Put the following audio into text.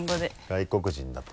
外国人だと。